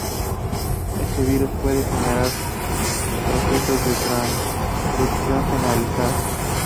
Este virus puede generar procesos de transducción generalizada.